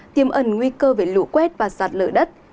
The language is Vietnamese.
tiêm ẩn nguy cơ về lũ quét và giặt lỡ đất